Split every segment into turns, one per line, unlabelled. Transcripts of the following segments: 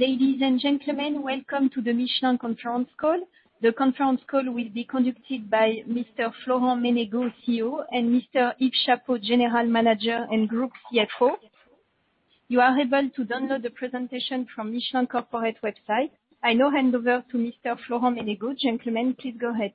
Ladies and gentlemen, welcome to the Michelin Conference Call. The conference call will be conducted by Mr. Florent Menegaux, CEO, and Mr. Yves Chapot, General Manager and Group CFO. You are able to download the presentation from the Michelin corporate website. I now hand over to Mr. Florent Menegaux. Gentlemen, please go ahead.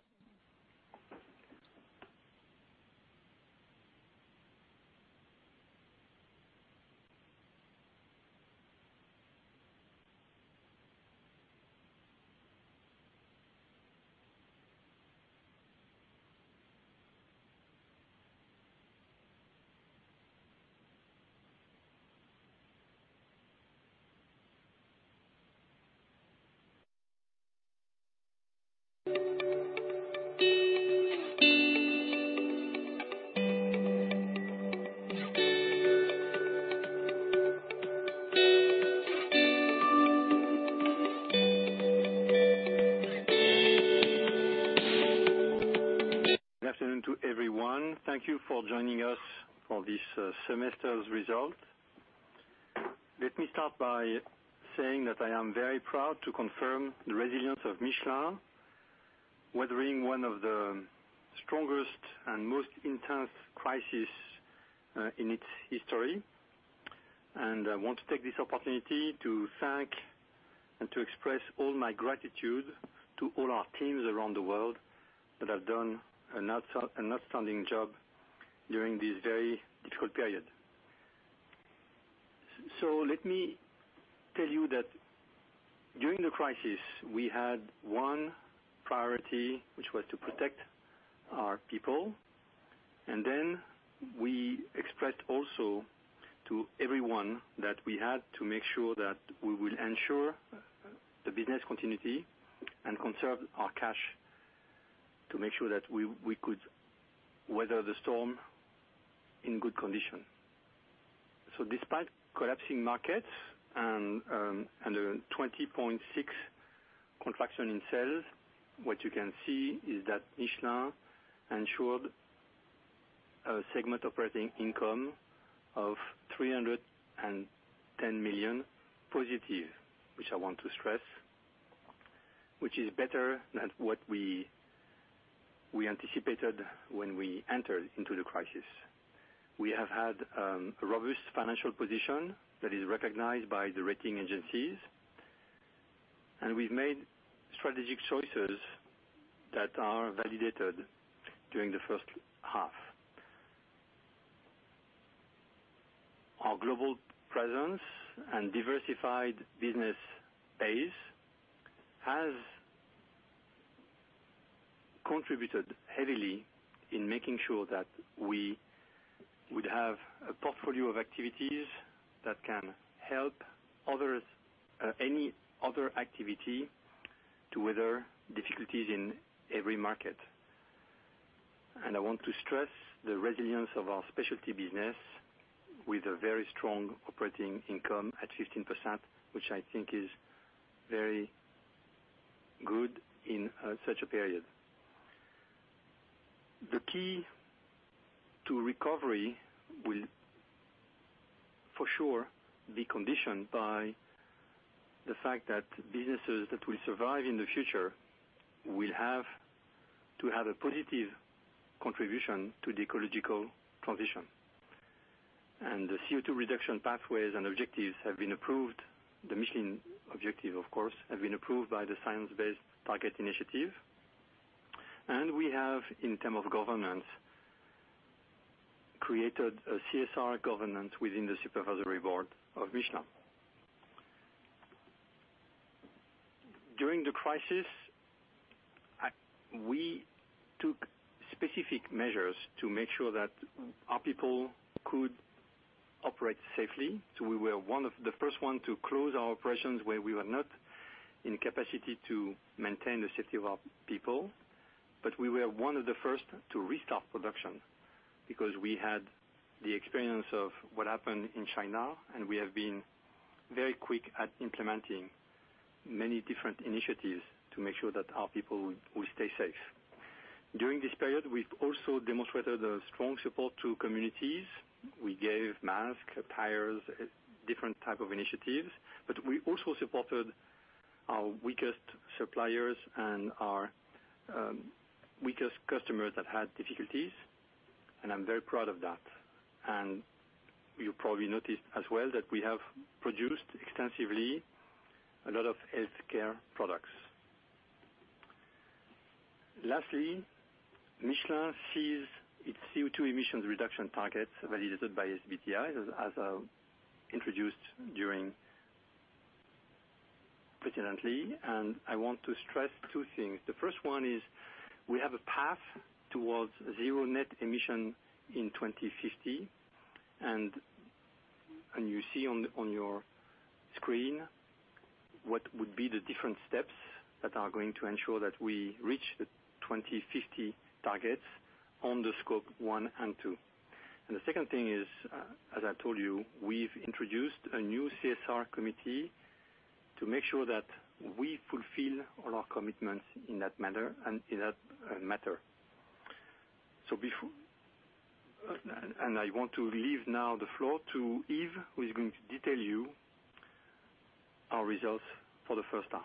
Good afternoon to everyone. Thank you for joining us for this semester's result. Let me start by saying that I am very proud to confirm the resilience of Michelin, weathering one of the strongest and most intense crises in its history, and I want to take this opportunity to thank and to express all my gratitude to all our teams around the world that have done an outstanding job during this very difficult period, so let me tell you that during the crisis, we had one priority, which was to protect our people, and then we expressed also to everyone that we had to make sure that we will ensure the business continuity and conserve our cash to make sure that we could weather the storm in good condition. Despite collapsing markets and a 20.6% contraction in sales, what you can see is that Michelin ensured a Segment Operating Income of €310 million positive, which I want to stress, which is better than what we anticipated when we entered into the crisis. We have had a robust financial position that is recognized by the rating agencies, and we've made strategic choices that are validated during the first half. Our global presence and diversified business base has contributed heavily in making sure that we would have a portfolio of activities that can help any other activity to weather difficulties in every market. And I want to stress the resilience of our specialty business with a very strong operating income at 15%, which I think is very good in such a period. The key to recovery will for sure be conditioned by the fact that businesses that will survive in the future will have to have a positive contribution to the ecological transition, and the CO2 reduction pathways and objectives have been approved. The Michelin objective, of course, has been approved by the Science Based Targets initiative, and we have, in terms of governance, created a CSR governance within the Supervisory Board of Michelin. During the crisis, we took specific measures to make sure that our people could operate safely, so we were one of the first ones to close our operations where we were not in capacity to maintain the safety of our people. But we were one of the first to restart production because we had the experience of what happened in China, and we have been very quick at implementing many different initiatives to make sure that our people will stay safe. During this period, we've also demonstrated strong support to communities. We gave masks, tires, different types of initiatives. But we also supported our weakest suppliers and our weakest customers that had difficulties. And I'm very proud of that. And you probably noticed as well that we have produced extensively a lot of healthcare products. Lastly, Michelin sees its CO2 emissions reduction targets validated by SBTi as introduced previously. And I want to stress two things. The first one is we have a path towards net zero emission in 2050. And you see on your screen what would be the different steps that are going to ensure that we reach the 2050 targets on the Scope 1 and 2. And the second thing is, as I told you, we've introduced a new CSR Committee to make sure that we fulfill all our commitments in that matter. And I want to leave now the floor to Yves, who is going to detail you our results for the first half.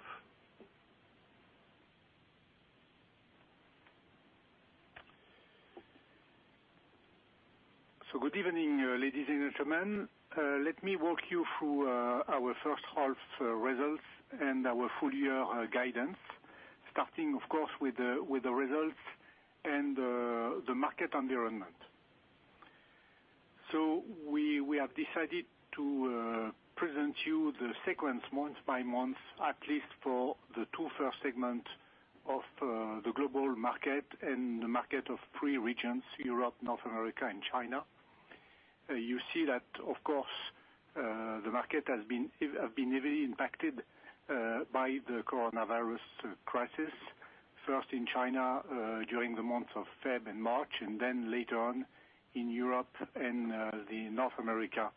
Good evening, ladies and gentlemen. Let me walk you through our first half results and our full year guidance, starting, of course, with the results and the market environment. We have decided to present you the segments month by month, at least for the two first segments of the global market and the market of three regions: Europe, North America, and China. You see that, of course, the market has been heavily impacted by the coronavirus crisis, first in China during the months of February and March, and then later on in Europe and North America,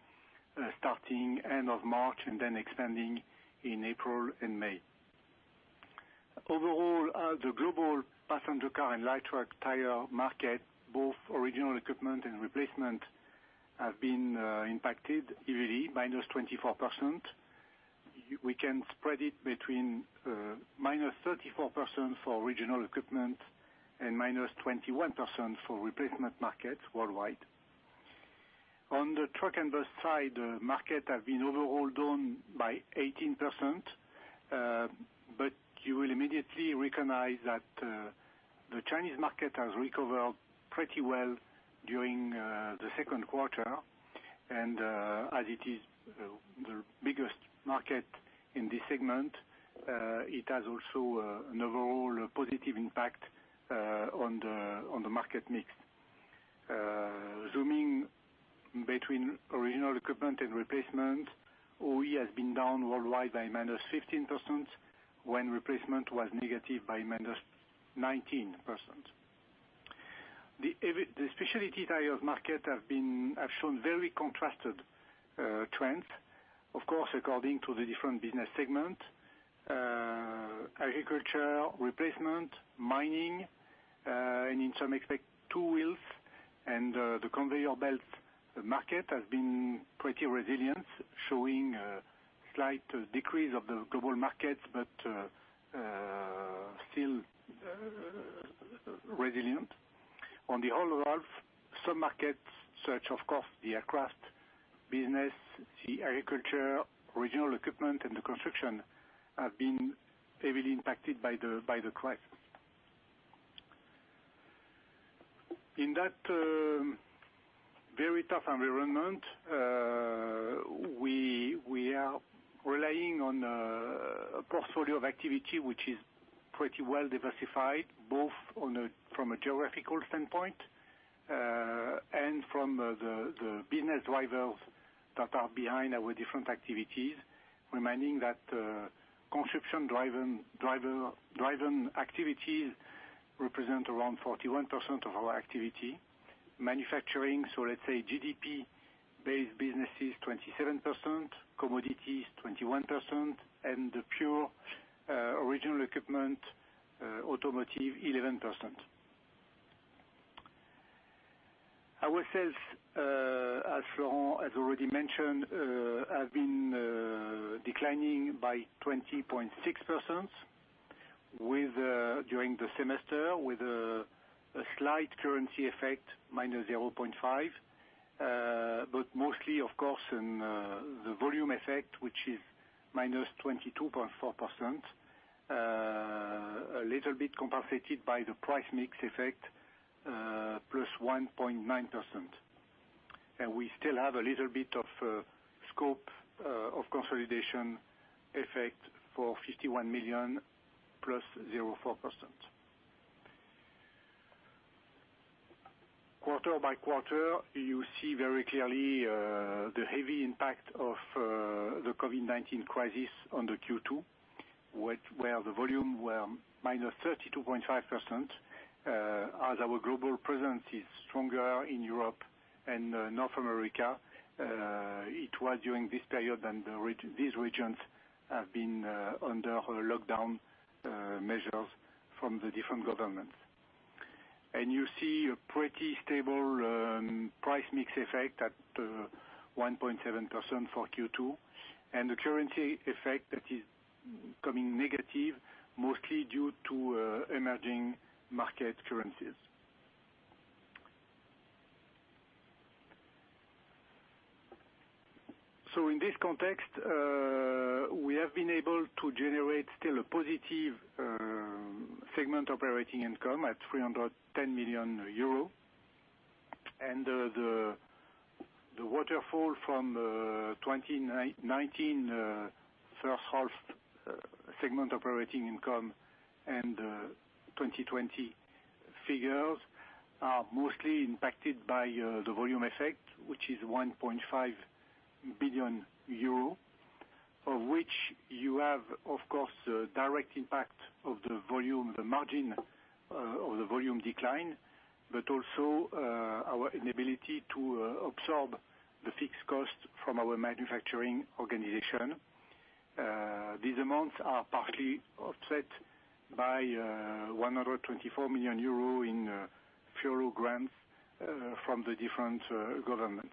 starting end of March and then expanding in April and May. Overall, the global passenger car and light truck tire market, both original equipment and replacement, has been impacted heavily, -24%. We can spread it between -34% for original equipment and -21% for replacement markets worldwide. On the truck and bus side, the market has been overhauled by 18%. But you will immediately recognize that the Chinese market has recovered pretty well during the second quarter. And as it is the biggest market in this segment, it has also an overall positive impact on the market mix. Zooming between original equipment and replacement, OE has been down worldwide by -15% when replacement was negative by -19%. The specialty tires market has shown very contrasted trends, of course, according to the different business segments: agriculture, replacement, mining, and in some respects, two wheels. And the conveyor belt market has been pretty resilient, showing a slight decrease of the global markets, but still resilient. On the whole half, some markets such as, of course, the aircraft business, the agriculture, regional equipment, and the construction have been heavily impacted by the crisis. In that very tough environment, we are relying on a portfolio of activity which is pretty well diversified, both from a geographical standpoint and from the business drivers that are behind our different activities, reminding that consumption-driven activities represent around 41% of our activity. Manufacturing, so let's say GDP-based businesses, 27%, commodities, 21%, and the pure original equipment, automotive, 11%. Ourselves, as Florent has already mentioned, have been declining by 20.6% during the semester, with a slight currency effect, minus 0.5%, but mostly, of course, the volume effect, which is minus 22.4%, a little bit compensated by the price mix effect, plus 1.9%, and we still have a little bit of scope of consolidation effect for 51 million, plus 0.4%. Quarter-by-quarter, you see very clearly the heavy impact of the COVID-19 crisis on the Q2, where the volume was minus 32.5%. As our global presence is stronger in Europe and North America, it was during this period that these regions have been under lockdown measures from the different governments. And you see a pretty stable price mix effect at 1.7% for Q2, and the currency effect that is coming negative, mostly due to emerging market currencies. So in this context, we have been able to generate still a positive segment operating income at 310 million euro. And the waterfall from 2019 first half segment operating income and 2020 figures are mostly impacted by the volume effect, which is 1.5 billion euro, of which you have, of course, the direct impact of the margin of the volume decline, but also our inability to absorb the fixed cost from our manufacturing organization. These amounts are partially offset by 124 million euro in federal grants from the different governments.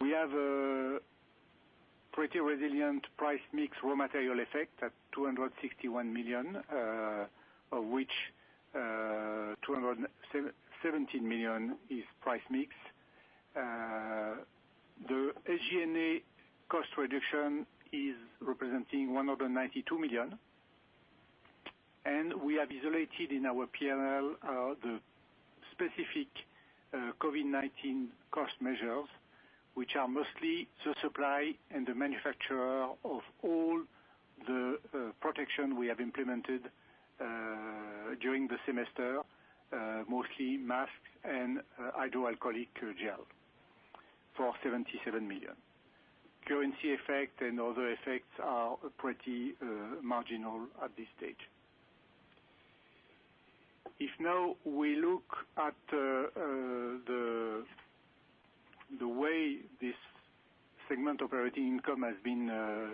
We have a pretty resilient price mix raw material effect at 261 million, of which 217 million is price mix. The SG&A cost reduction is representing 192 million, and we have isolated in our P&L the specific COVID-19 cost measures, which are mostly the supply and the manufacture of all the protection we have implemented during the semester, mostly masks and hydroalcoholic gel for 77 million. Currency effect and other effects are pretty marginal at this stage. If now we look at the way this segment operating income has been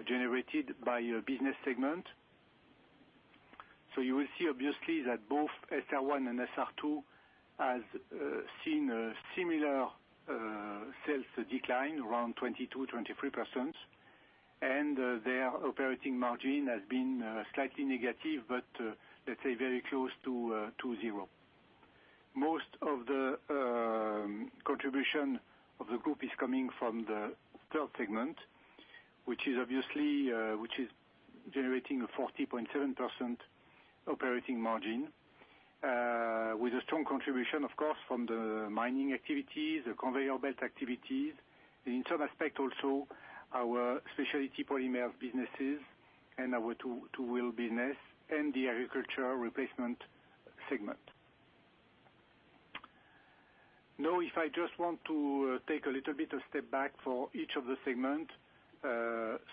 generated by a business segment, so you will see obviously that both SR1 and SR2 have seen a similar sales decline around 22-23%. Their operating margin has been slightly negative, but let's say very close to zero. Most of the contribution of the group is coming from the third segment, which is obviously generating a 40.7% operating margin, with a strong contribution, of course, from the mining activities, the conveyor belt activities, and in some aspect also our specialty polymers businesses and our two-wheel business and the agriculture replacement segment. Now, if I just want to take a little bit of step back for each of the segments,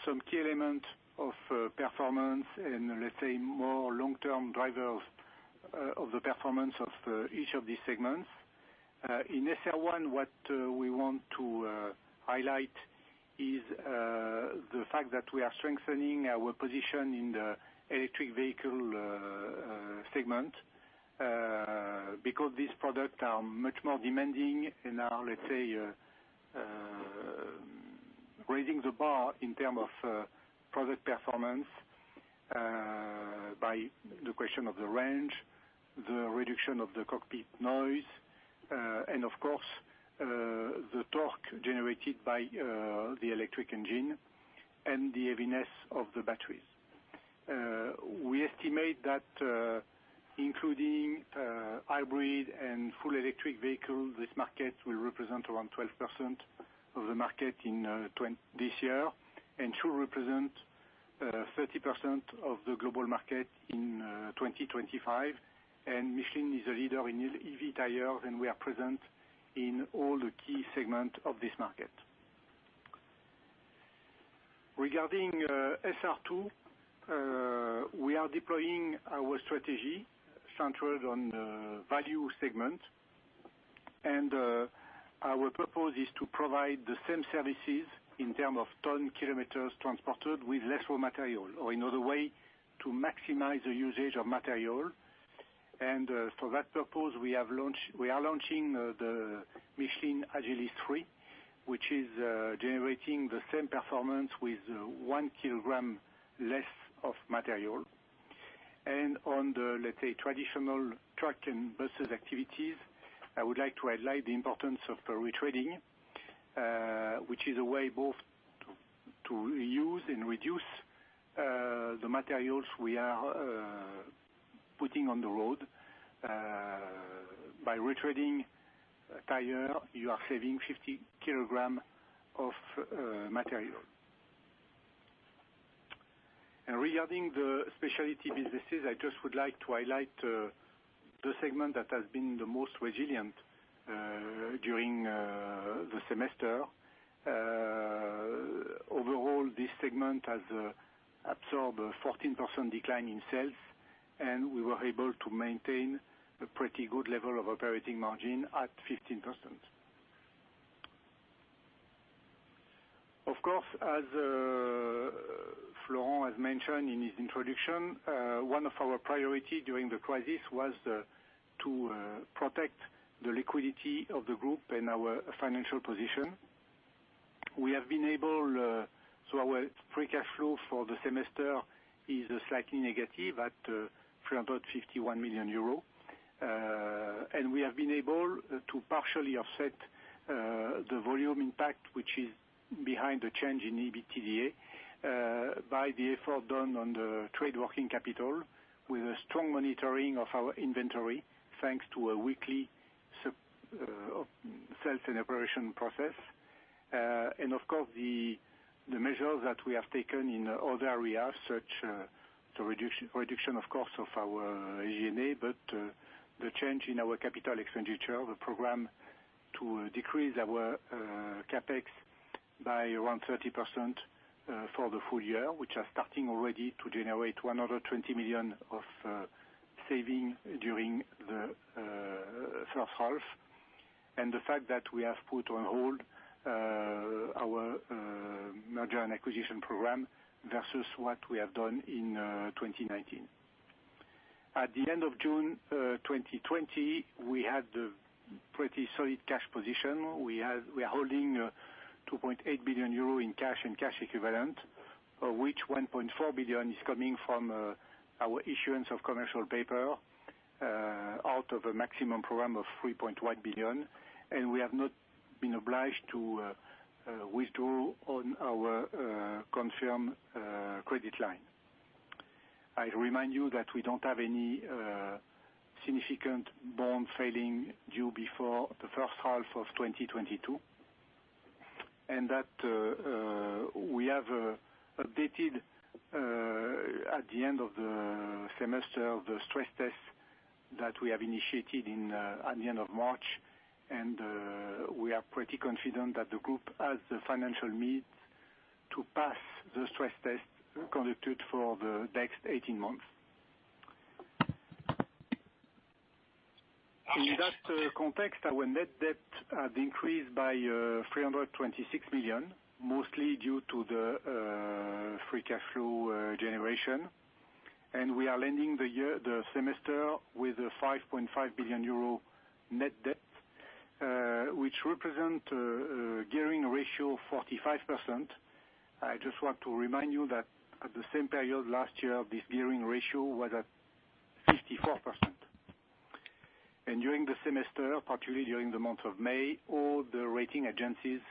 some key elements of performance and, let's say, more long-term drivers of the performance of each of these segments. In SR1, what we want to highlight is the fact that we are strengthening our position in the electric vehicle segment because these products are much more demanding and are, let's say, raising the bar in terms of product performance by the question of the range, the reduction of the cockpit noise, and, of course, the torque generated by the electric engine and the heaviness of the batteries. We estimate that including hybrid and full electric vehicles, this market will represent around 12% of the market this year and should represent 30% of the global market in 2025, and Michelin is a leader in EV tires, and we are present in all the key segments of this market. Regarding SR2, we are deploying our strategy centered on value segments. And our purpose is to provide the same services in terms of ton kilometers transported with less raw material, or in other ways, to maximize the usage of material. And for that purpose, we are launching the Michelin Agilis 3, which is generating the same performance with one kilogram less of material. And on the, let's say, traditional truck and buses activities, I would like to highlight the importance of retreading, which is a way both to use and reduce the materials we are putting on the road. By retreading tire, you are saving 50 kilograms of material. And regarding the specialty businesses, I just would like to highlight the segment that has been the most resilient during the semester. Overall, this segment has absorbed a 14% decline in sales, and we were able to maintain a pretty good level of operating margin at 15%. Of course, as Florent has mentioned in his introduction, one of our priorities during the crisis was to protect the liquidity of the group and our financial position. We have been able to. Our free cash flow for the semester is slightly negative at 351 million euro. And we have been able to partially offset the volume impact, which is behind the change in EBITDA, by the effort done on the trade working capital with a strong monitoring of our inventory, thanks to a weekly sales and operation process. And, of course, the measures that we have taken in other areas, such as the reduction, of course, of our SG&A, but the change in our capital expenditure, the program to decrease our CapEx by around 30% for the full year, which are starting already to generate 120 million of savings during the first half. The fact that we have put on hold our merger and acquisition program versus what we have done in 2019. At the end of June 2020, we had a pretty solid cash position. We are holding 2.8 billion euro in cash and cash equivalent, of which 1.4 billion is coming from our issuance of commercial paper out of a maximum program of 3.1 billion. We have not been obliged to withdraw on our confirmed credit line. I remind you that we don't have any significant bond falling due before the first half of 2022. We have updated at the end of the semester the stress test that we have initiated at the end of March. We are pretty confident that the group has the financial means to pass the stress test conducted for the next 18 months. In that context, our net debt has increased by 326 million, mostly due to the free cash flow generation. And we are ending the semester with a 5.5 billion euro net debt, which represents a gearing ratio of 45%. I just want to remind you that at the same period last year, this gearing ratio was at 54%. And during the semester, particularly during the month of May, all the rating agencies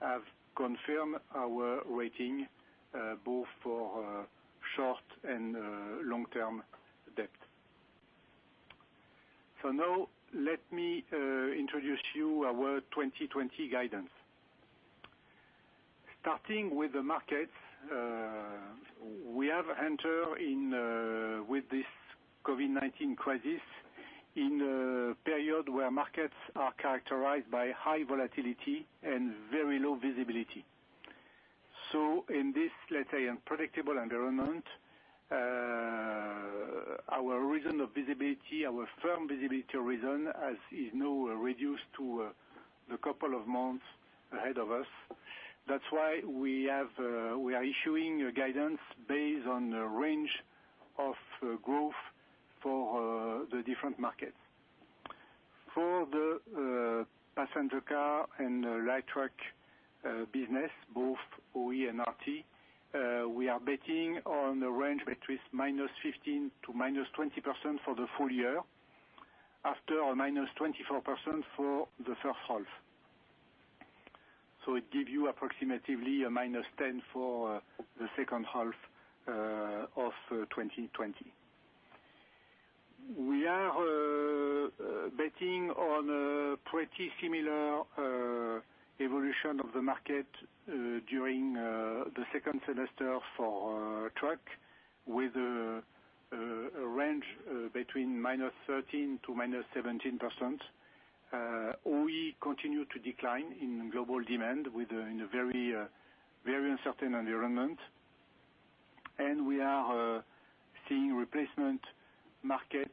have confirmed our rating, both for short and long-term debt. So now, let me introduce you to our 2020 guidance. Starting with the markets, we have entered with this COVID-19 crisis in a period where markets are characterized by high volatility and very low visibility. So in this, let's say, unpredictable environment, our horizon of visibility, our firm visibility horizon, is now reduced to the couple of months ahead of us. That's why we are issuing guidance based on the range of growth for the different markets. For the passenger car and light truck business, both OE and RT, we are betting on the range between minus 15% to minus 20% for the full year, after minus 24% for the first half. So it gives you approximately a minus 10% for the second half of 2020. We are betting on a pretty similar evolution of the market during the second semester for truck, with a range between minus 13% to minus 17%. OE continues to decline in global demand in a very uncertain environment. And we are seeing replacement markets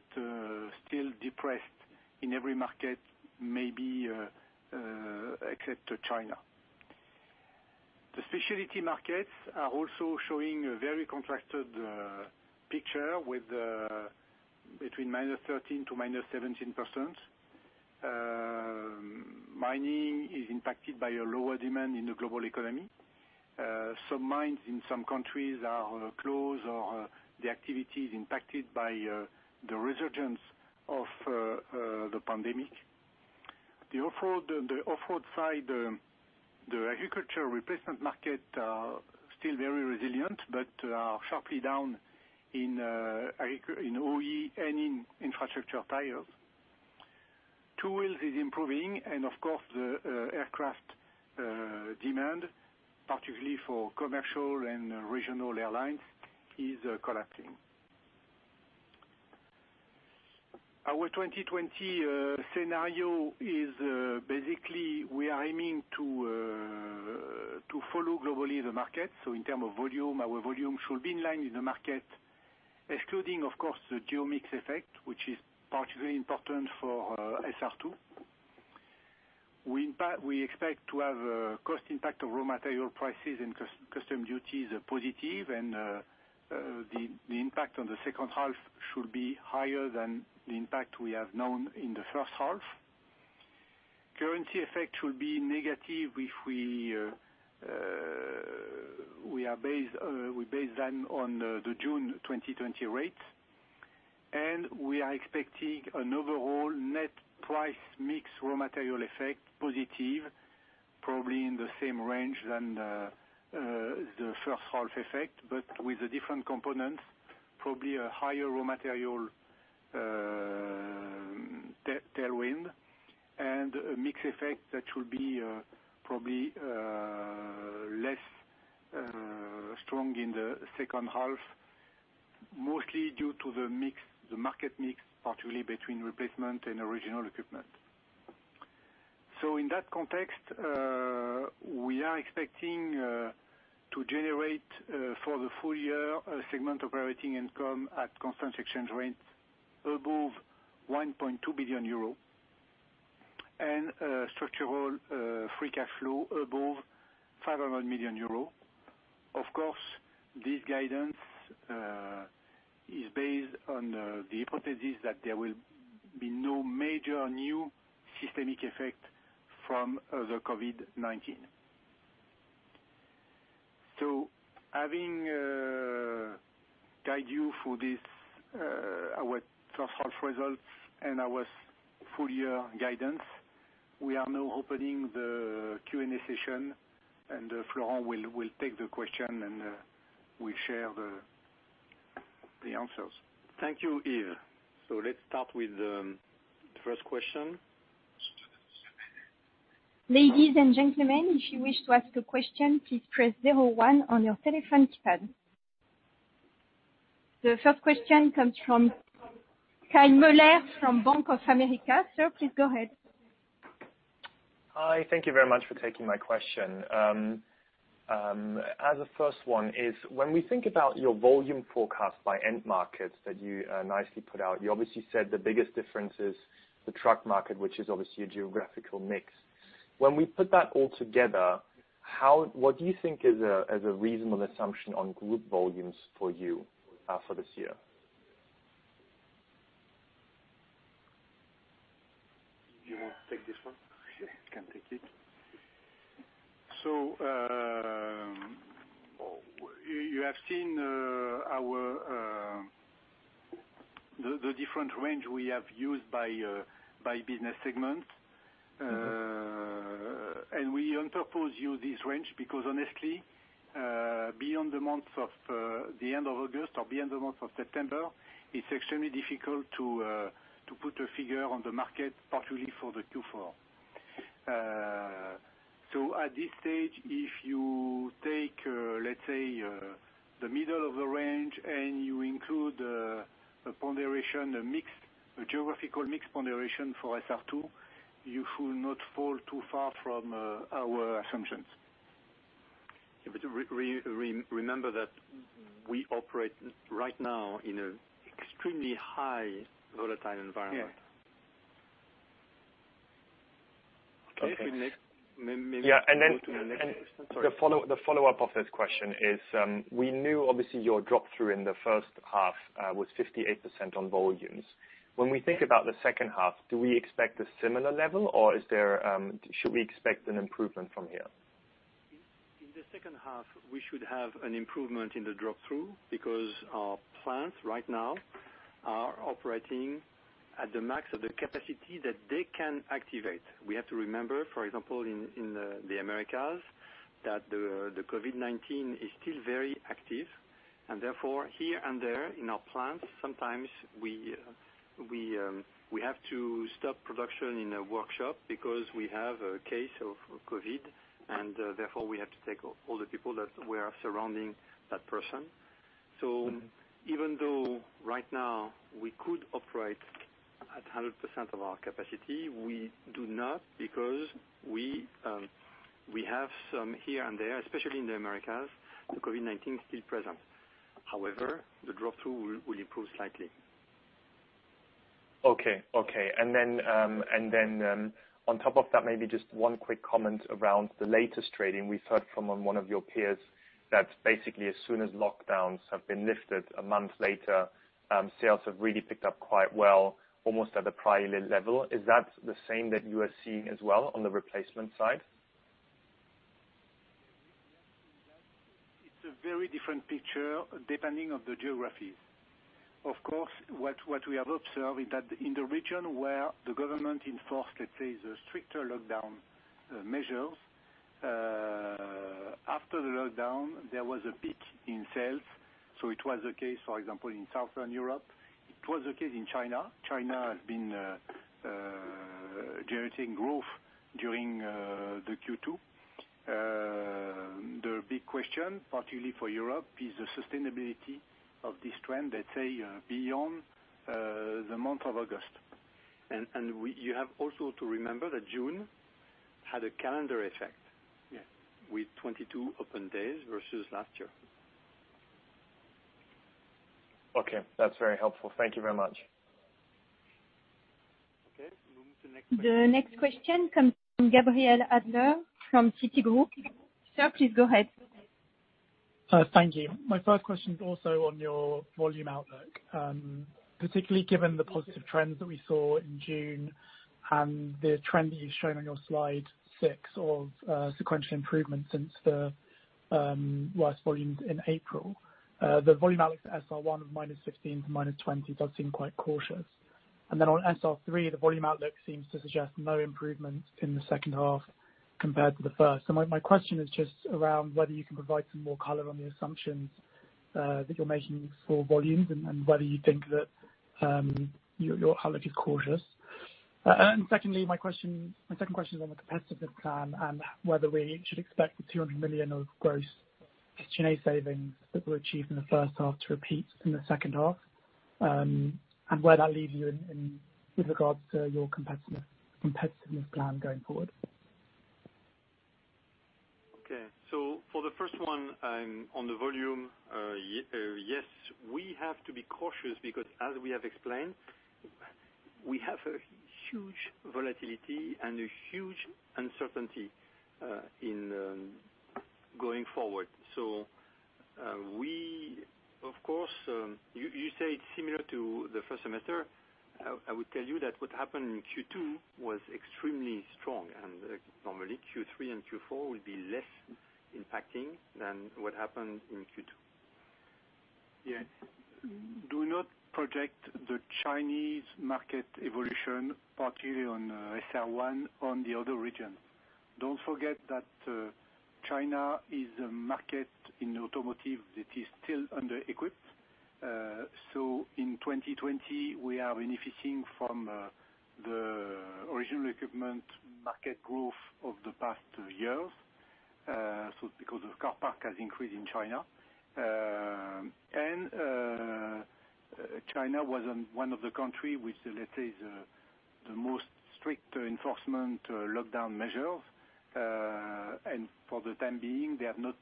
still depressed in every market, maybe except China. The specialty markets are also showing a very contrasted picture between minus 13% to minus 17%. Mining is impacted by a lower demand in the global economy. Some mines in some countries are closed, or the activity is impacted by the resurgence of the pandemic. The off-road side, the agriculture replacement markets are still very resilient, but are sharply down in OE and in infrastructure tires. Two-wheel is improving. And, of course, the aircraft demand, particularly for commercial and regional airlines, is collapsing. Our 2020 scenario is basically we are aiming to follow globally the market. So in terms of volume, our volume should be in line with the market, excluding, of course, the geo-mix effect, which is particularly important for SR2. We expect to have a cost impact of raw material prices and customs duties positive. And the impact on the second half should be higher than the impact we have known in the first half. Currency effect should be negative if we are based then on the June 2020 rates. And we are expecting an overall net price mix raw material effect positive, probably in the same range than the first half effect, but with different components, probably a higher raw material tailwind. And a mix effect that should be probably less strong in the second half, mostly due to the market mix, particularly between replacement and original equipment. So in that context, we are expecting to generate for the full year a segment operating income at constant exchange rate above 1.2 billion euro and structural free cash flow above 500 million euro. Of course, this guidance is based on the hypothesis that there will be no major new systemic effect from the COVID-19. So having guided you through our first half results and our full year guidance, we are now opening the Q&A session, and Florent will take the question and we'll share the answers.
Thank you, Yves. So let's start with the first question.
Ladies and gentlemen, if you wish to ask a question, please press 01 on your telephone keypad. The first question comes from Kai Mueller from Bank of America. Sir, please go ahead.
Hi. Thank you very much for taking my question. As the first one is, when we think about your volume forecast by end markets that you nicely put out, you obviously said the biggest difference is the truck market, which is obviously a geographical mix. When we put that all together, what do you think is a reasonable assumption on group volumes for you for this year?
You want to take this one?
I can take it. So you have seen the different range we have used by business segments. We propose to you this range because, honestly, beyond the end of the month of August or beyond the end of the month of September, it's extremely difficult to put a figure on the market, particularly for the Q4. At this stage, if you take, let's say, the middle of the range and you include a ponderation, a mixed geographical mix ponderation for SR2, you should not fall too far from our assumptions.
Remember that we operate right now in an extremely highly volatile environment.
Yeah.
The follow-up of this question is, you know obviously your drop-through in the first half was 58% on volumes. When we think about the second half, do we expect a similar level, or should we expect an improvement from here?
In the second half, we should have an improvement in the drop-through because our plants right now are operating at the max of the capacity that they can activate. We have to remember, for example, in the Americas that the COVID-19 is still very active. And therefore, here and there in our plants, sometimes we have to stop production in a workshop because we have a case of COVID. And therefore, we have to take all the people that were surrounding that person. So even though right now we could operate at 100% of our capacity, we do not because we have some here and there, especially in the Americas, the COVID-19 is still present. However, the drop-through will improve slightly.
Okay. Okay. And then on top of that, maybe just one quick comment around the latest trading. We've heard from one of your peers that basically as soon as lockdowns have been lifted a month later, sales have really picked up quite well, almost at a prior level. Is that the same that you are seeing as well on the replacement side?
It's a very different picture depending on the geographies. Of course, what we have observed is that in the region where the government enforced, let's say, the stricter lockdown measures, after the lockdown, there was a peak in sales. So it was the case, for example, in Southern Europe. It was the case in China. China has been generating growth during the Q2. The big question, particularly for Europe, is the sustainability of this trend, let's say, beyond the month of August. And you have also to remember that June had a calendar effect with 22 open days versus last year.
Okay. That's very helpful. Thank you very much.
Okay.
The next question comes from Gabriel Adler from Citigroup. Sir, please go ahead.
Thank you. My first question is also on your volume outlook, particularly given the positive trends that we saw in June and the trend that you've shown on your slide six of sequential improvement since the worst volumes in April. The volume outlook for SR1 of -15% to -20% does seem quite cautious. And then on SR3, the volume outlook seems to suggest no improvement in the second half compared to the first. So my question is just around whether you can provide some more color on the assumptions that you're making for volumes and whether you think that your outlook is cautious. Secondly, my second question is on the competitive plan and whether we should expect the 200 million of gross SG&A savings that were achieved in the first half to repeat in the second half and where that leaves you with regards to your competitiveness plan going forward.
Okay. For the first one on the volume, yes, we have to be cautious because, as we have explained, we have a huge volatility and a huge uncertainty going forward. We, of course, you say it's similar to the first semester. I would tell you that what happened in Q2 was extremely strong. Normally, Q3 and Q4 will be less impacting than what happened in Q2. Yeah. Do not project the Chinese market evolution, particularly on SR1, on the other region. Don't forget that China is a market in automotive that is still under-equipped. So in 2020, we are benefiting from the original equipment market growth of the past year because the car park has increased in China. And China was one of the countries with, let's say, the most strict enforcement lockdown measures. And for the time being, they have not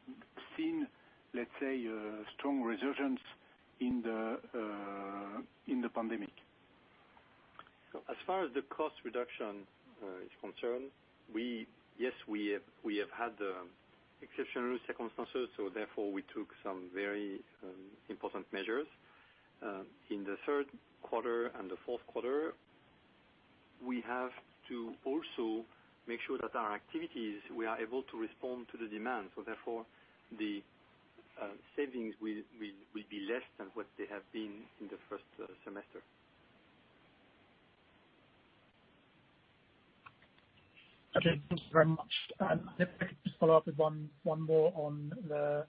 seen, let's say, a strong resurgence in the pandemic. As far as the cost reduction is concerned, yes, we have had exceptional circumstances. So therefore, we took some very important measures. In the third quarter and the fourth quarter, we have to also make sure that our activities, we are able to respond to the demand. So therefore, the savings will be less than what they have been in the first semester.
Okay. Thank you very much. If I could just follow up with one more on the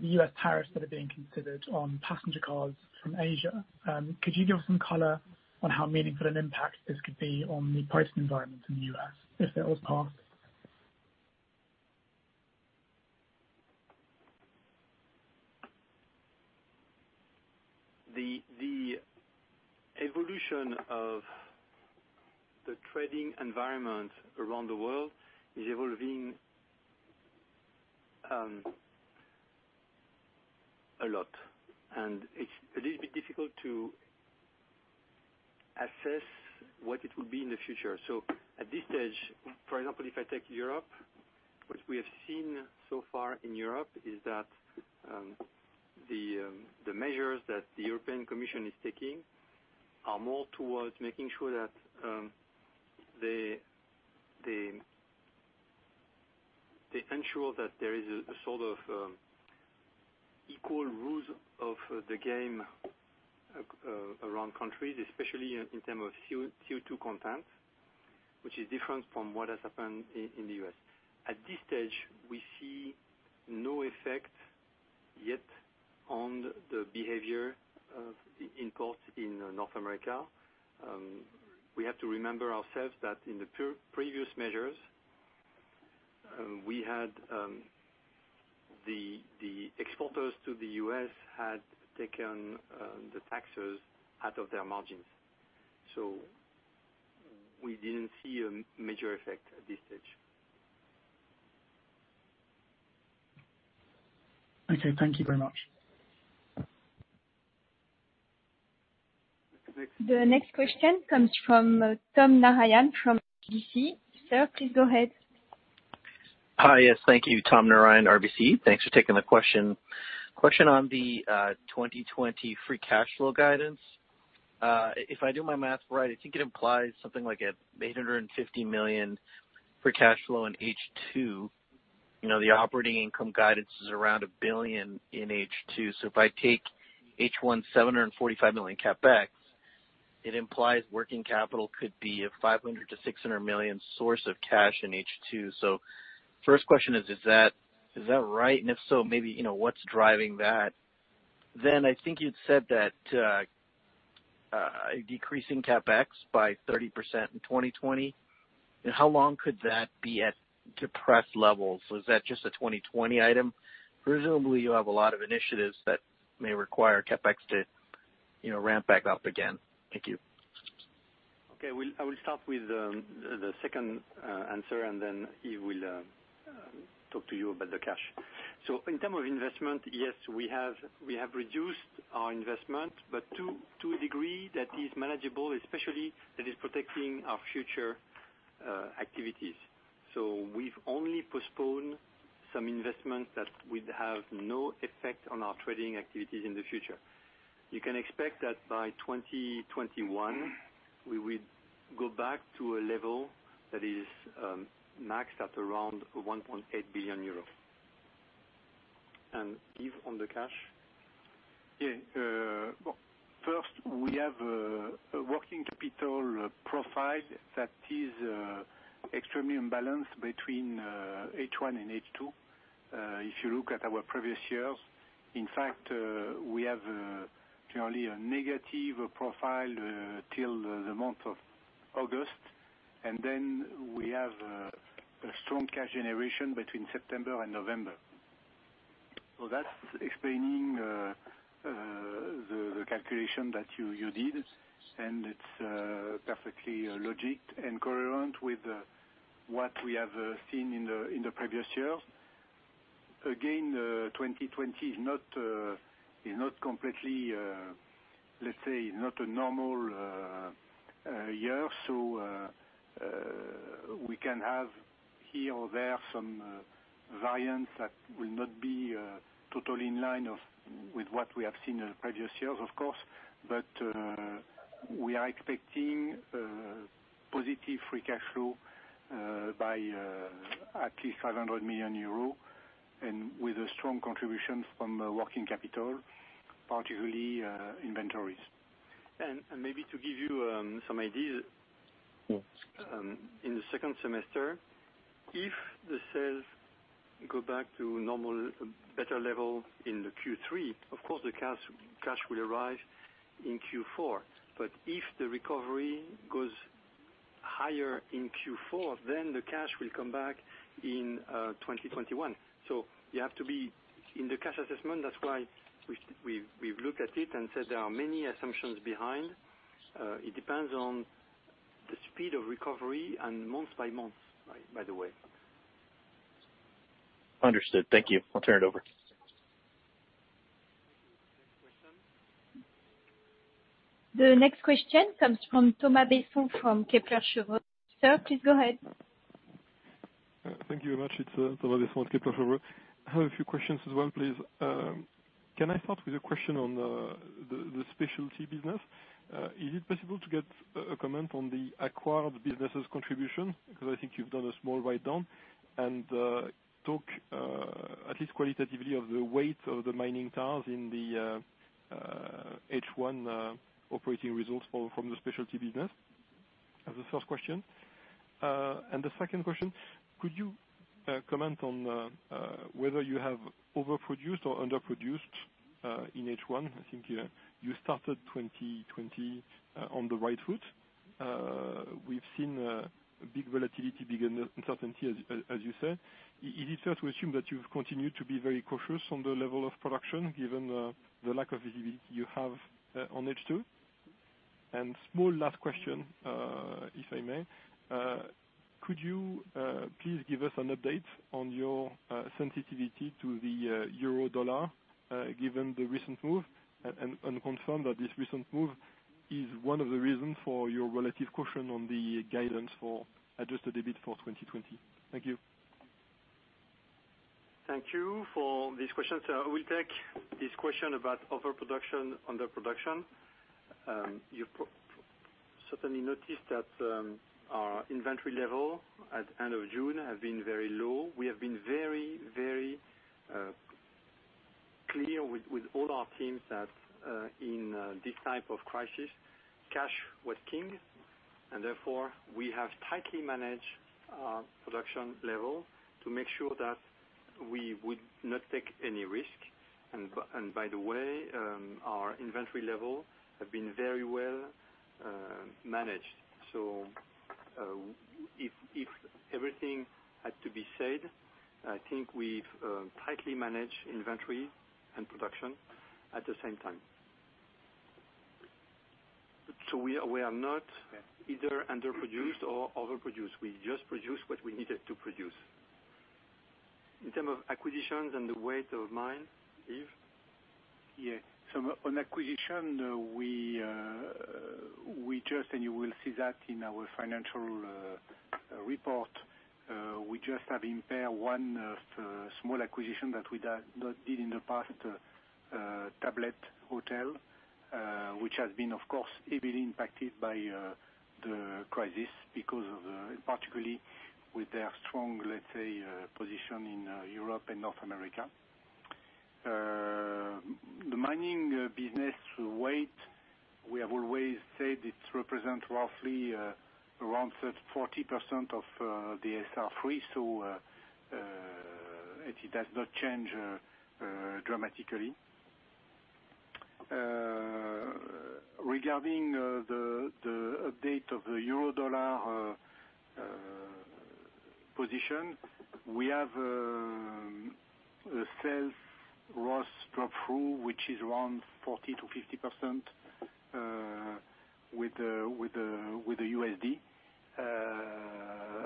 U.S. tariffs that are being considered on passenger cars from Asia. Could you give us some color on how meaningful an impact this could be on the pricing environment in the U.S. if it was passed?
The evolution of the trading environment around the world is evolving a lot. And it's a little bit difficult to assess what it will be in the future. So at this stage, for example, if I take Europe, what we have seen so far in Europe is that the measures that the European Commission is taking are more towards making sure that they ensure that there is a sort of equal rules of the game around countries, especially in terms of CO2 content, which is different from what has happened in the U.S. At this stage, we see no effect yet on the behavior of imports in North America. We have to remember ourselves that in the previous measures, the exporters to the U.S. had taken the taxes out of their margins. So we didn't see a major effect at this stage.
Okay. Thank you very much.
The next question comes from Tom Narayan from RBC. Sir, please go ahead.
Hi. Yes. Thank you, Tom Narayan, RBC. Thanks for taking the question. Question on the 2020 free cash flow guidance. If I do my math right, I think it implies something like 850 million free cash flow in H2. The operating income guidance is around a billion in H2. So if I take H1, 745 million CapEx, it implies working capital could be a 500 million to 600 million source of cash in H2. So first question is, is that right? And if so, maybe what's driving that? Then I think you'd said that decreasing CapEx by 30% in 2020. How long could that be at depressed levels? Was that just a 2020 item? Presumably, you have a lot of initiatives that may require CapEx to ramp back up again. Thank you.
Okay. I will start with the second answer, and then Yves will talk to you about the cash. So in terms of investment, yes, we have reduced our investment, but to a degree that is manageable, especially that is protecting our future activities. So we've only postponed some investments that would have no effect on our trading activities in the future. You can expect that by 2021, we would go back to a level that is maxed at around 1.8 billion euros. And Yves on the cash? Yeah. First, we have a working capital profile that is extremely imbalanced between H1 and H2. If you look at our previous years, in fact, we have generally a negative profile till the month of August, and then we have a strong cash generation between September and November, so that's explaining the calculation that you did, and it's perfectly logical and coherent with what we have seen in the previous years. Again, 2020 is not completely, let's say, not a normal year, so we can have here or there some variance that will not be totally in line with what we have seen in the previous years, of course, but we are expecting positive free cash flow by at least 500 million euros and with a strong contribution from working capital, particularly inventories, and maybe to give you some ideas, in the second semester, if the sales go back to normal, better level in Q3, of course, the cash will arrive in Q4. But if the recovery goes higher in Q4, then the cash will come back in 2021. So you have to be in the cash assessment. That's why we've looked at it and said there are many assumptions behind. It depends on the speed of recovery and month by month, by the way.
Understood. Thank you. I'll turn it over.
The next question comes from Thomas Besson from Kepler Cheuvreux. Sir, please go ahead.
Thank you very much. It's Thomas Besson with Kepler Cheuvreux. I have a few questions as well, please. Can I start with a question on the specialty business? Is it possible to get a comment on the acquired businesses' contribution? Because I think you've done a small write-down and talk at least qualitatively of the weight of the mining tires in the H1 operating results from the specialty business as the first question. And the second question, could you comment on whether you have overproduced or underproduced in H1? I think you started 2020 on the right foot. We've seen big volatility, big uncertainty, as you said. Is it fair to assume that you've continued to be very cautious on the level of production given the lack of visibility you have on H2? And small last question, if I may. Could you please give us an update on your sensitivity to the euro/dollar given the recent move and confirm that this recent move is one of the reasons for your relative caution on the guidance for adjusted EBIT for 2020? Thank you.
Thank you for these questions. I will take this question about overproduction, underproduction. You've certainly noticed that our inventory level at the end of June has been very low. We have been very, very clear with all our teams that in this type of crisis, cash was king. And therefore, we have tightly managed our production level to make sure that we would not take any risk. And by the way, our inventory level has been very well managed. So if everything had to be said, I think we've tightly managed inventory and production at the same time. So we are not either underproduced or overproduced. We just produce what we needed to produce. In terms of acquisitions and the weight of mining, Yves? Yeah. So on acquisition, we just, and you will see that in our financial report, we just have impaired one small acquisition that we did in the past, Tablet Hotels, which has been, of course, heavily impacted by the crisis because of, particularly with their strong, let's say, position in Europe and North America. The mining business weight, we have always said it represents roughly around 40% of the SR3. So it does not change dramatically. Regarding the update of the euro/dollar position, we have a sales ROS drop-through, which is around 40%-50% with the USD.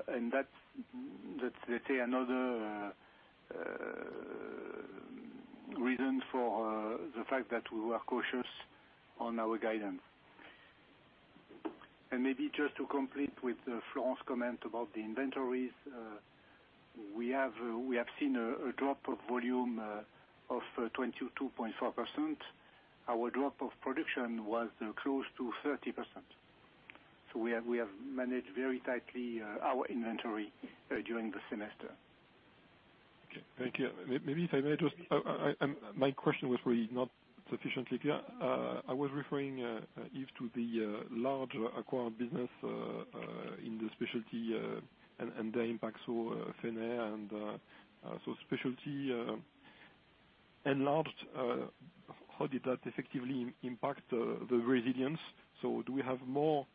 And that's, let's say, another reason for the fact that we were cautious on our guidance. And maybe just to complete with Florent's comment about the inventories, we have seen a drop of volume of 22.4%. Our drop of production was close to 30%. So we have managed very tightly our inventory during the semester.
Okay. Thank you. Maybe if I may just, my question was probably not sufficiently clear. I was referring, Yves, to the large acquired business in the specialty and the impact, so Fenner. And so specialty enlarged, how did that effectively impact the resilience? So do we have more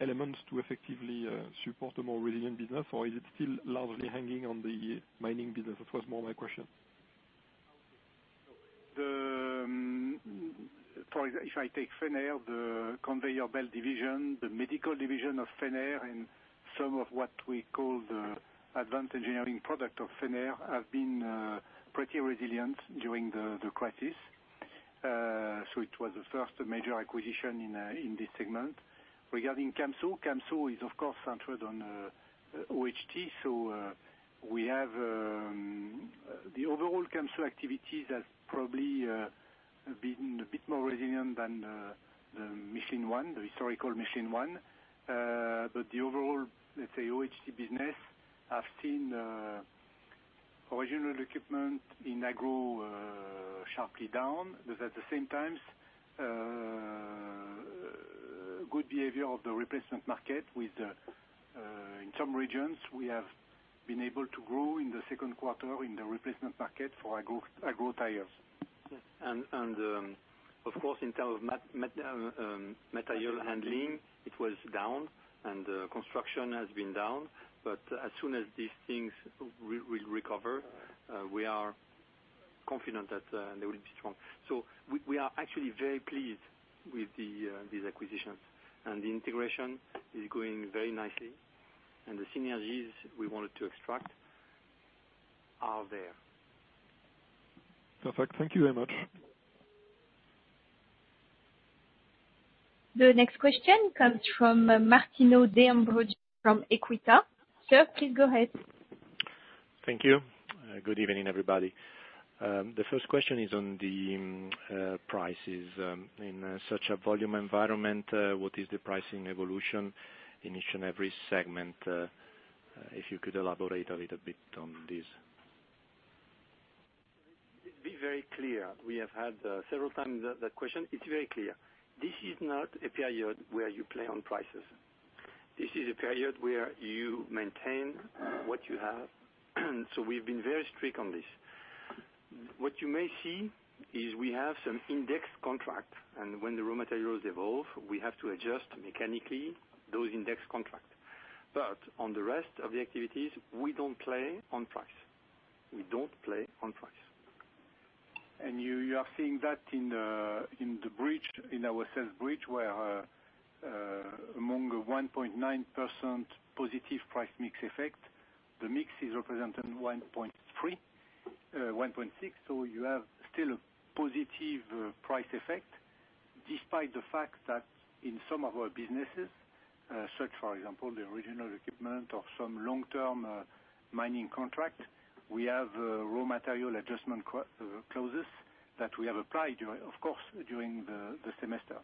elements to effectively support a more resilient business, or is it still largely hanging on the mining business? That was more my question.
For example, if I take Fenner, the conveyor belt division, the medical division of Fenner, and some of what we call the advanced engineering product of Fenner have been pretty resilient during the crisis. So it was the first major acquisition in this segment. Regarding Camso, Camso is, of course, centered on OHT. So we have the overall Camso activities that probably have been a bit more resilient than the Michelin One, the historical Michelin One. But the overall, let's say, OHT business has seen original equipment in agro sharply down. But at the same time, good behavior of the replacement market with, in some regions, we have been able to grow in the second quarter in the replacement market for agro tires. And of course, in terms of material handling, it was down, and construction has been down. But as soon as these things will recover, we are confident that they will be strong. So we are actually very pleased with these acquisitions. And the integration is going very nicely. And the synergies we wanted to extract are there.
Perfect. Thank you very much.
The next question comes from Martino De Ambroggi from EQUITA. Sir, please go ahead.
Thank you. Good evening, everybody. The first question is on the prices. In such a volume environment, what is the pricing evolution in each and every segment? If you could elaborate a little bit on this.
Be very clear. We have had several times that question. It's very clear. This is not a period where you play on prices. This is a period where you maintain what you have. So we've been very strict on this. What you may see is we have some index contracts. And when the raw materials evolve, we have to adjust mechanically those index contracts. But on the rest of the activities, we don't play on price. We don't play on price. And you are seeing that in the bridge, in our sales bridge, where among 1.9% positive price mix effect, the mix is represented 1.6%. So you have still a positive price effect despite the fact that in some of our businesses, such for example, the original equipment or some long-term mining contract, we have raw material adjustment clauses that we have applied, of course, during the semester.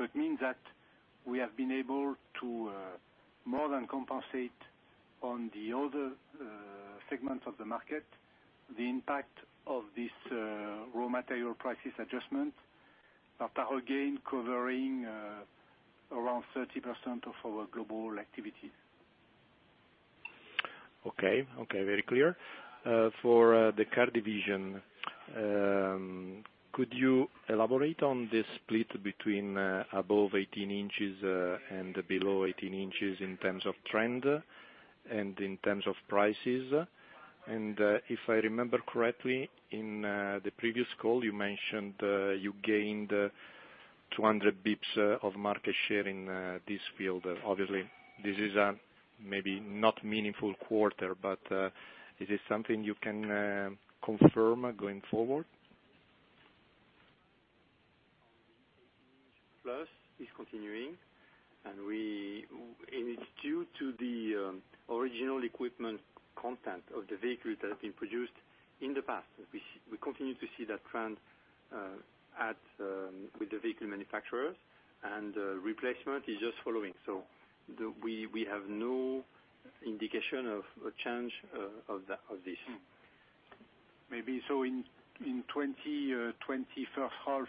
It means that we have been able to more than compensate on the other segments of the market, the impact of this raw material prices adjustment, but again, covering around 30% of our global activities.
Okay. Okay. Very clear. For the car division, could you elaborate on the split between above 18 inches and below 18 inches in terms of trend and in terms of prices? And if I remember correctly, in the previous call, you mentioned you gained 200 basis points of market share in this field. Obviously, this is a maybe not meaningful quarter, but is it something you can confirm going forward?
Plus, it is continuing. And it is due to the original equipment content of the vehicles that have been produced in the past. We continue to see that trend with the vehicle manufacturers, and replacement is just following. So we have no indication of a change of this. Maybe so in 2020, first half,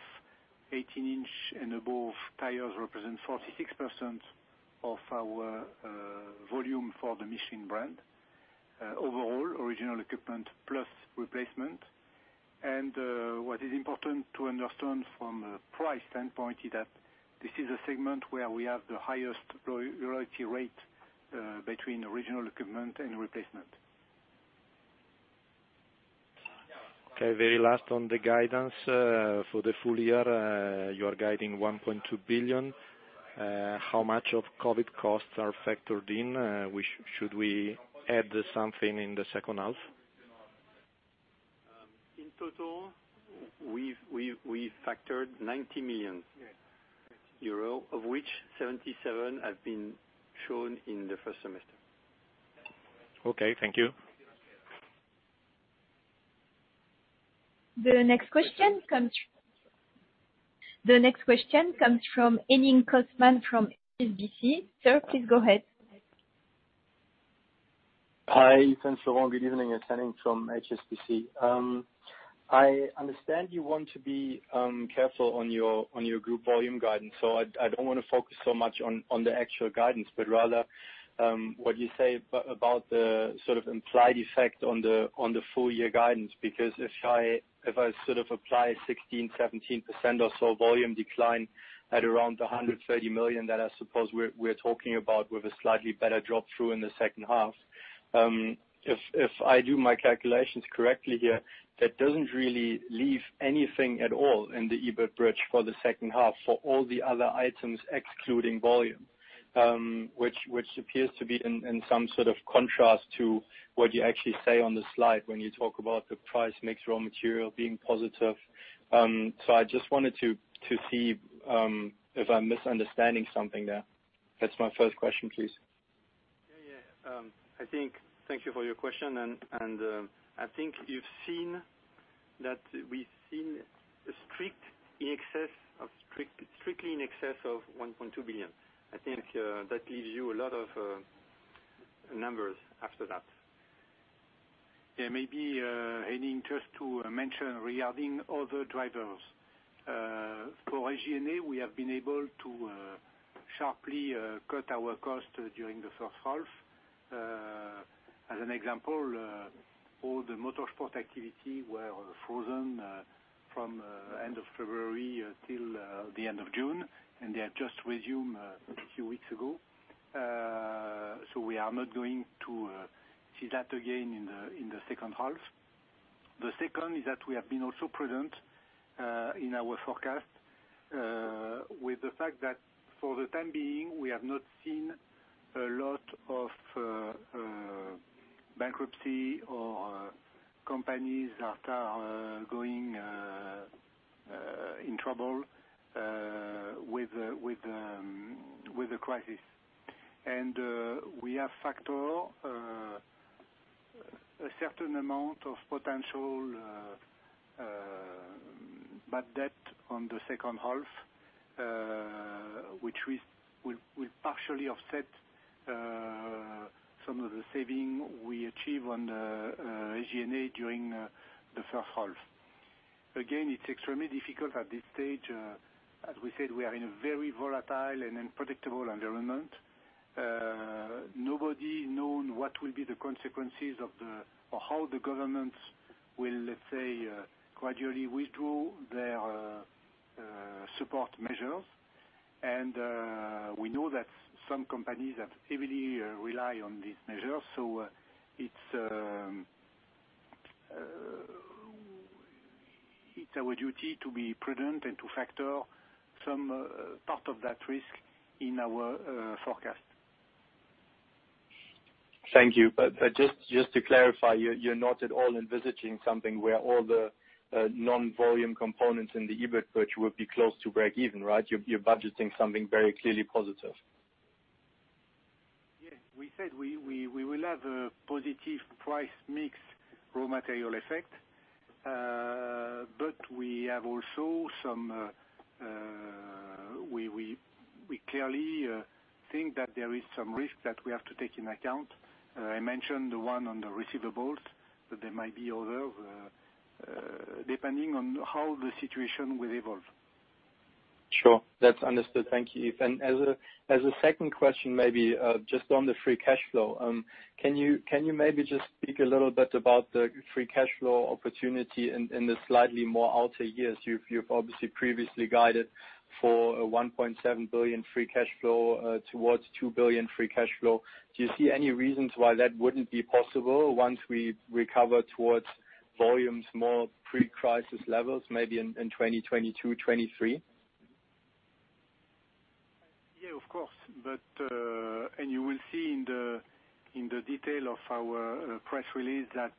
18-inch and above tires represent 46% of our volume for the Michelin brand, overall original equipment plus replacement. And what is important to understand from a price standpoint is that this is a segment where we have the highest loyalty rate between original equipment and replacement.
Okay. Very last on the guidance for the full year. You are guiding 1.2 billion. How much of COVID costs are factored in? Should we add something in the second half?
In total, we factored 90 million euro, of which 77 million have been shown in the first semester.
Okay. Thank you.
The next question comes from Henning Cosman from HSBC. Sir, please go ahead.
Hi. Thanks, Florent. Good evening. I'm calling from HSBC. I understand you want to be careful on your group volume guidance. So I don't want to focus so much on the actual guidance, but rather what you say about the sort of implied effect on the full-year guidance. Because if I sort of apply 16%-17% or so volume decline at around 130 million that I suppose we're talking about with a slightly better drop-through in the second half, if I do my calculations correctly here, that doesn't really leave anything at all in the EBIT bridge for the second half for all the other items excluding volume, which appears to be in some sort of contrast to what you actually say on the slide when you talk about the price mix raw material being positive. So I just wanted to see if I'm misunderstanding something there. That's my first question, please.
Yeah. Yeah. Thank you for your question. I think you've seen that we've seen strictly in excess of 1.2 billion. I think that leaves you a lot of numbers after that. Yeah. Maybe any interest to mention regarding other drivers? For SG&A, we have been able to sharply cut our costs during the first half. As an example, all the motorsport activity was frozen from the end of February till the end of June, and they have just resumed a few weeks ago. So we are not going to see that again in the second half. The second is that we have been also prudent in our forecast with the fact that for the time being, we have not seen a lot of bankruptcies or companies that are going in trouble with the crisis. And we have factored a certain amount of potential bad debt on the second half, which will partially offset some of the saving we achieved on SG&A during the first half. Again, it's extremely difficult at this stage. As we said, we are in a very volatile and unpredictable environment. Nobody knows what will be the consequences of the or how the government will, let's say, gradually withdraw their support measures. And we know that some companies have heavily relied on these measures. So it's our duty to be prudent and to factor some part of that risk in our forecast.
Thank you. But just to clarify, you're not at all envisaging something where all the non-volume components in the EBIT bridge will be close to break even, right? You're budgeting something very clearly positive.
Yeah. We said we will have a positive price mix raw material effect, but we have also some we clearly think that there is some risk that we have to take into account. I mentioned the one on the receivables that there might be others depending on how the situation will evolve.
Sure. That's understood. Thank you. And as a second question, maybe just on the free cash flow, can you maybe just speak a little bit about the free cash flow opportunity in the slightly more outer years? You've obviously previously guided for 1.7 billion free cash flow towards 2 billion free cash flow. Do you see any reasons why that wouldn't be possible once we recover towards volumes more pre-crisis levels, maybe in 2022, 2023?
Yeah, of course. And you will see in the detail of our press release that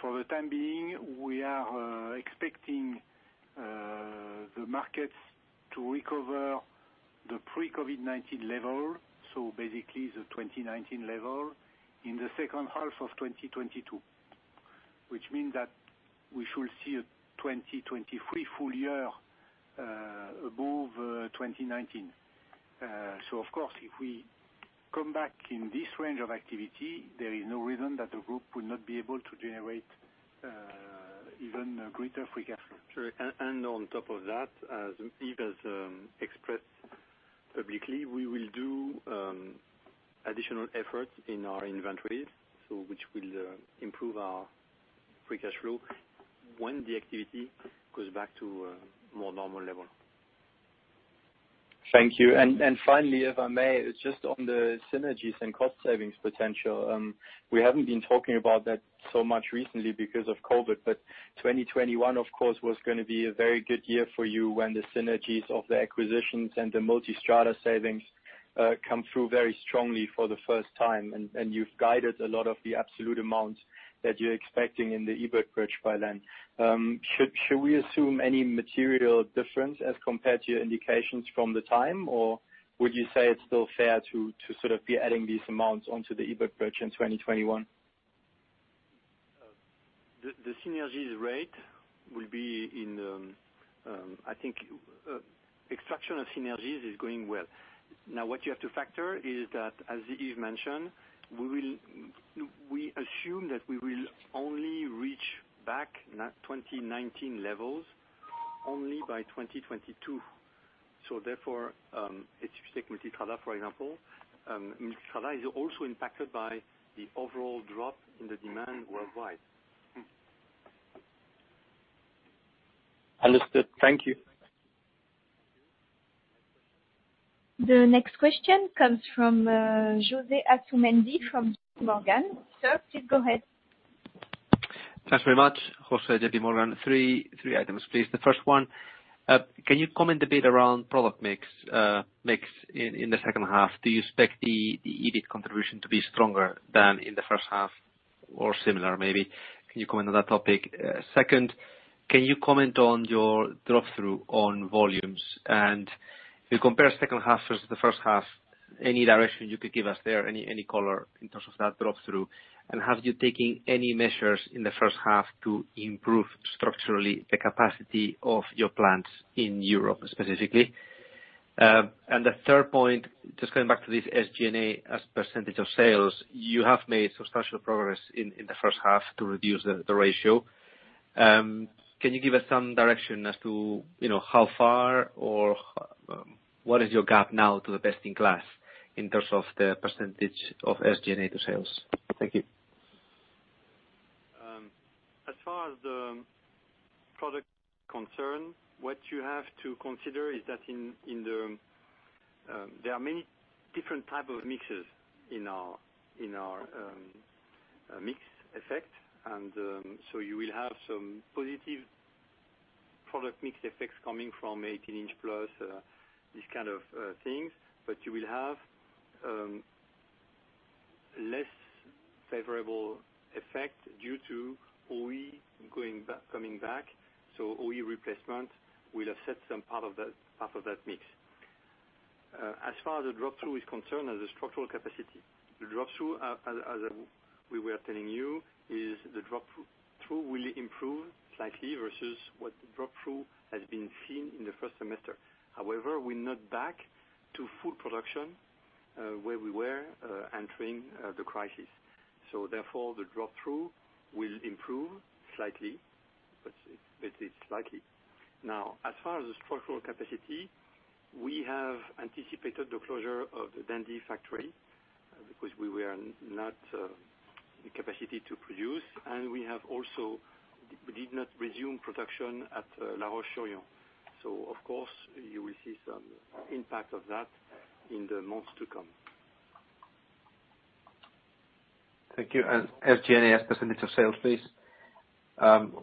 for the time being, we are expecting the markets to recover the pre-COVID-19 level, so basically the 2019 level, in the second half of 2022, which means that we should see a 2023 full year above 2019. So of course, if we come back in this range of activity, there is no reason that the group would not be able to generate even greater free cash flow. Sure. And on top of that, as Yves has expressed publicly, we will do additional efforts in our inventories, which will improve our free cash flow when the activity goes back to a more normal level.
Thank you. And finally, if I may, just on the synergies and cost savings potential, we haven't been talking about that so much recently because of COVID. But 2021, of course, was going to be a very good year for you when the synergies of the acquisitions and the Multistrada savings come through very strongly for the first time. And you've guided a lot of the absolute amounts that you're expecting in the EBIT bridge by then. Should we assume any material difference as compared to your indications from the time, or would you say it's still fair to sort of be adding these amounts onto the EBIT bridge in 2021?
The synergies rate will be in. I think extraction of synergies is going well. Now, what you have to factor is that, as Yves mentioned, we assume that we will only reach back 2019 levels only by 2022. So therefore, if you take Multistrada, for example, Multistrada is also impacted by the overall drop in the demand worldwide.
Understood. Thank you.
The next question comes from José Asumendi from JPMorgan. Sir, please go ahead.
Thanks very much, José, JPMorgan. Three items, please. The first one, can you comment a bit around product mix in the second half? Do you expect the EBIT contribution to be stronger than in the first half or similar, maybe? Can you comment on that topic? Second, can you comment on your drop-through on volumes? And if we compare second half versus the first half, any direction you could give us there, any color in terms of that drop-through? And have you taken any measures in the first half to improve structurally the capacity of your plants in Europe specifically? And the third point, just going back to this SG&A as percentage of sales, you have made substantial progress in the first half to reduce the ratio. Can you give us some direction as to how far or what is your gap now to the best in class in terms of the percentage of SG&A to sales? Thank you.
As far as the product concern, what you have to consider is that there are many different types of mixes in our mix effect. And so you will have some positive product mix effects coming from 18-inch plus, these kind of things, but you will have less favorable effect due to OE coming back. So OE replacement will offset some part of that mix. As far as the drop-through is concerned, as a structural capacity, the drop-through, as we were telling you, is the drop-through will improve slightly versus what the drop-through has been seen in the first semester. However, we're not back to full production where we were entering the crisis. So therefore, the drop-through will improve slightly, but it's likely. Now, as far as the structural capacity, we have anticipated the closure of the Dundee factory because we were not in capacity to produce. And we have also, we did not resume production at La Roche-sur-Yon. So of course, you will see some impact of that in the months to come.
Thank you. And SG&A as percentage of sales, please.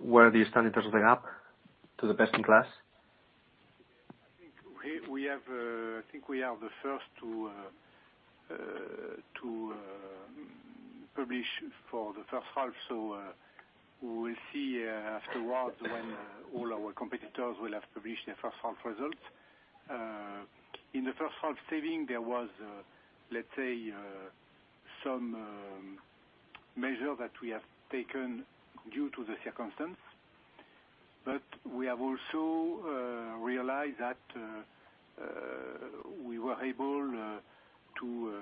Where do you stand in terms of the gap to the best in class?
I think we are the first to publish for the first half. So we will see afterwards when all our competitors will have published their first half results. In the first half saving, there was, let's say, some measure that we have taken due to the circumstance. But we have also realized that we were able to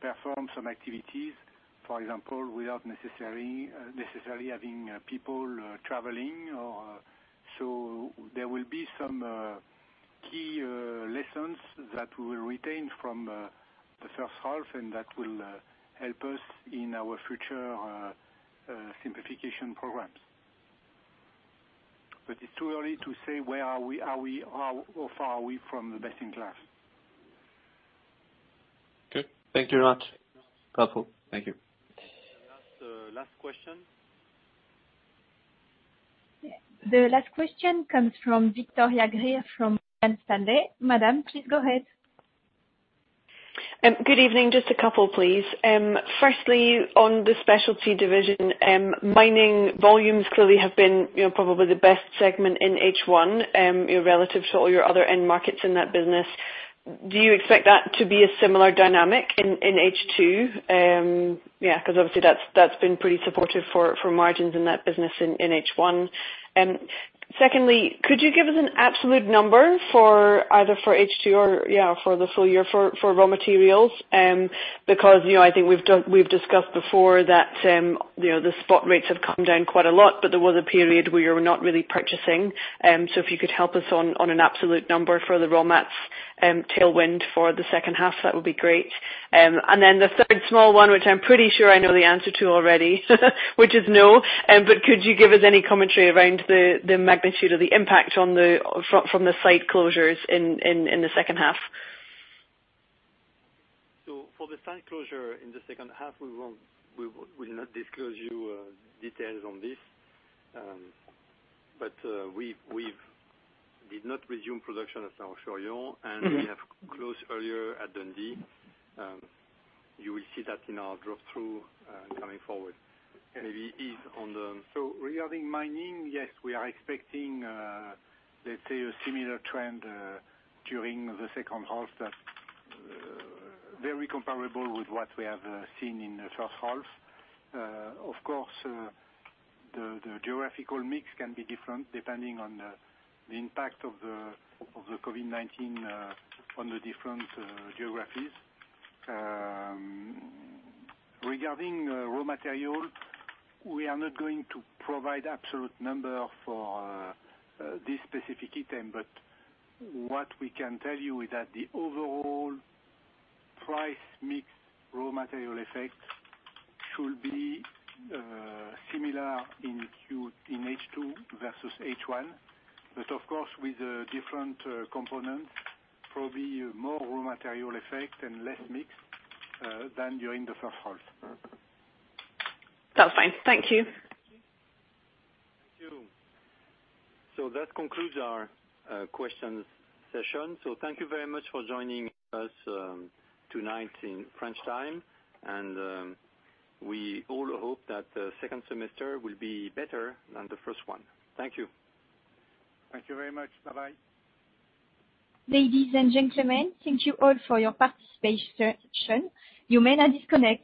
perform some activities, for example, without necessarily having people traveling. So there will be some key lessons that we will retain from the first half, and that will help us in our future simplification programs. But it's too early to say where are we or how far are we from the best in class. Okay.
Thank you very much. Helpful.
Thank you. Last question.
The last question comes from Victoria Greer from Morgan Stanley. Madame, please go ahead.
Good evening. Just a couple, please. Firstly, on the specialty division, mining volumes clearly have been probably the best segment in H1 relative to all your other end markets in that business. Do you expect that to be a similar dynamic in H2? Yeah, because obviously, that's been pretty supportive for margins in that business in H1. Secondly, could you give us an absolute number either for H2 or, yeah, for the full year for raw materials? Because I think we've discussed before that the spot rates have come down quite a lot, but there was a period where you were not really purchasing. So if you could help us on an absolute number for the raw mats tailwind for the second half, that would be great. And then the third small one, which I'm pretty sure I know the answer to already, which is no. But could you give us any commentary around the magnitude of the impact from the site closures in the second half?
So for the site closure in the second half, we will not disclose you details on this. But we did not resume production at La Roche-sur-Yon, and we have closed earlier at Dundee. You will see that in our drop-through coming forward. Maybe Yves on the.
So regarding mining, yes, we are expecting, let's say, a similar trend during the second half that's very comparable with what we have seen in the first half. Of course, the geographical mix can be different depending on the impact of the COVID-19 on the different geographies. Regarding raw material, we are not going to provide absolute number for this specific item, but what we can tell you is that the overall price mix raw material effect should be similar in H2 versus H1. But of course, with different components, probably more raw material effect and less mix than during the first half.
That's fine. Thank you.
Thank you. So that concludes our Q&A session. So thank you very much for joining us tonight in French time. And we all hope that the second semester will be better than the first one. Thank you.
Thank you very much. Bye-bye.
Ladies and gentlemen, thank you all for your participation. You may not disconnect.